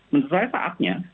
menurut saya saatnya